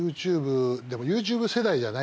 ＹｏｕＴｕｂｅ世代じゃないじゃない？